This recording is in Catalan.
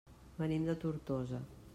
Venim de Tortosa.